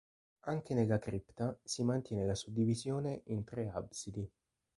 Anche nella cripta si mantiene la suddivisione in tre absidi.